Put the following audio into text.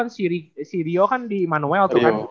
si rio kan di emanuel